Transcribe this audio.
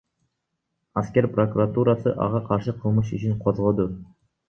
Аскер прокуратурасы ага каршы кылмыш ишин козгоду.